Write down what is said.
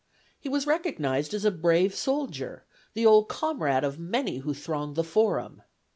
He was recognized as a brave soldier, the old comrade of many who thronged the Forum.